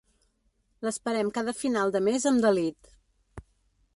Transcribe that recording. L'esperem cada final de mes amb delit.